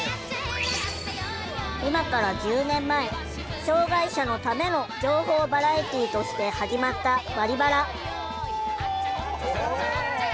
今から１０年前「障害者のための情報バラエティー」として始まった「バリバラ」。